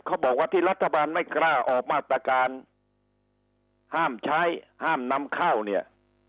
เขาบอกว่าที่รัฐบาลไม่กล้าออกมาตรการห้ามใช้ห้ามนำเข้าเนี่ย